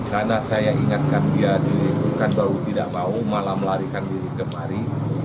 karena saya ingatkan dia dirikukan baru tidak mau malam larikan diri kemari